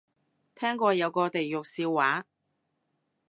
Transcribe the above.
聽過有個地獄笑話